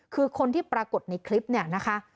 คือคนที่ปรากฏในคลิปนะคะ